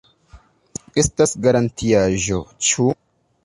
Estas garantiaĵo, ĉu?